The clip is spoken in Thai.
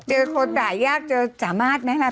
เจอคนหลายหยากเจอสามารถไหมนะ